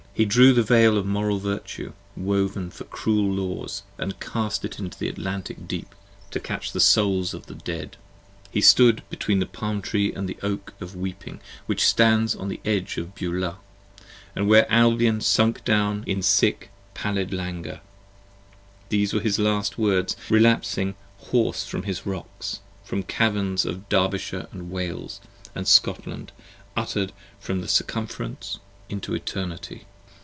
He drew the Veil of Moral Virtue, woven for Cruel Laws, And cast it into the Atlantic Deep, to catch the Souls of the Dead. He stood between the Palm tree & the Oak of weeping 25 Which stand upon the edge of Beulah: and there Albion sunk Down in sick pallid languor: These were his last words, relapsing Hoarse from his rocks, from caverns of Derbyshire & Wales And Scotland, utter'd from the Circumference into Eternity.